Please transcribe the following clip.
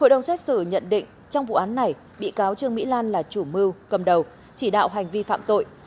hội đồng xét xử nhận định trong vụ án này bị cáo trương mỹ lan là chủ mưu cầm đầu chỉ đạo hành vi phạm tội